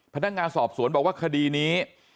พนักงานสอบสวนบอกว่าคดีนี้